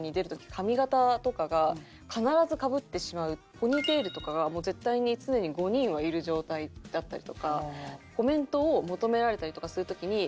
ポニーテールとかが絶対に常に５人はいる状態だったりとか。